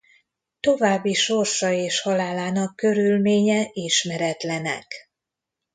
További sorsa és halálának körülménye ismeretlenek.